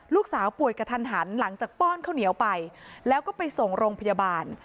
ลูกสาวป่วยกระทันหันหลังจากป้อนข้าวเหนียวไปแล้วก็ไปส่งโรงพยาบาล